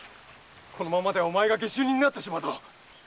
このままではお前が下手人になってしまうぞ！